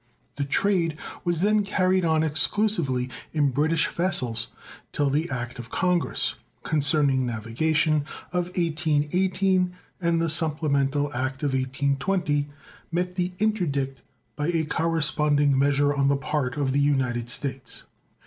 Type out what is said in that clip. The trade was then carried on exclusively in British vessels 'til the act of Congress, concerning navigation, of 1818 and the supplemental act of 1820 met the interdict by a corresponding measure on the part of the United States.